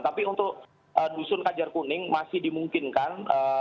tapi untuk dusun kajar kuning masih dimungkinkan